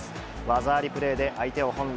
技ありプレーで相手を翻弄。